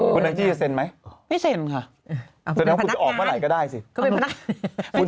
คุณนักที่จะเซ็นไหมคะไม่เซ็นค่ะเอาเป็นพนักงานคุณเป็นพนักงาน